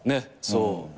そう。